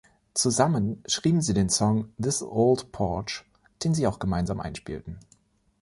Zusammen schrieben sie den Song "This Old Porch", den sie auch gemeinsam einspielten.